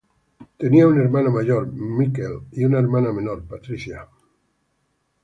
Tenía un hermano mayor, Michael, y una hermana menor, Patricia.